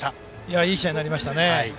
いい試合になりましたね。